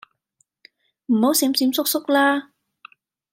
唔好閃閃縮縮啦